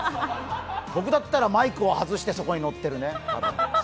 僕だったらマイクを外して、そこに乗っているね、多分。